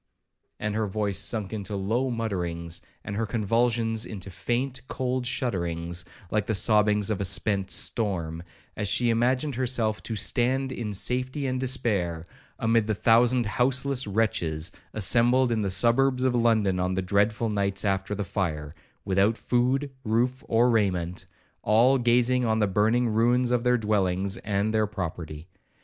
and her voice sunk into low mutterings, and her convulsions into faint, cold shudderings, like the sobbings of a spent storm, as she imagined herself to 'stand in safety and despair,' amid the thousand houseless wretches assembled in the suburbs of London on the dreadful nights after the fire, without food, roof, or raiment, all gazing on the burning ruins of their dwellings and their property.